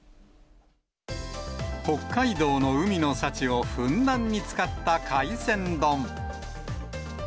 北海道の海の幸をふんだんに使った海鮮丼。